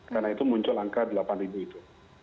karena itu muncul angka delapan ribu itu